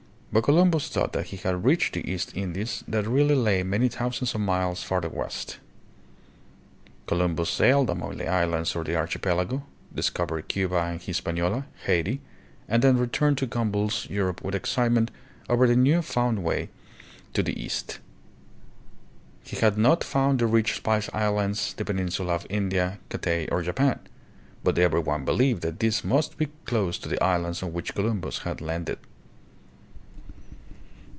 But Columbus thought that he had reached the East Indies that really lay many thousands of miles farther west. Colum bus sailed among the islands of the archipelago, discov ered Cuba and Hispaniola (Haiti), and then returned to convulse Europe with excitement over the new found way 70 THE PHILIPPINES. to the East. He had not found the rich Spice Islands, the peninsula of India, Cathay or Japan, but every one be lieved that these must be close to the islands on which Columbus had landed.